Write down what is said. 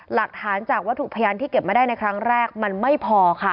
หลักฐานจากวัตถุพยานที่เก็บมาได้ในครั้งแรกมันไม่พอค่ะ